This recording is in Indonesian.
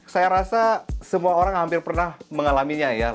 saya rasa semua orang hampir pernah mengalaminya ya